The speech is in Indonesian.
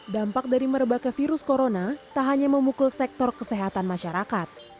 dampak dari merebaknya virus corona tak hanya memukul sektor kesehatan masyarakat